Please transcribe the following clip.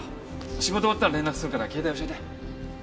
仕事終わったら連絡するから携帯教えて。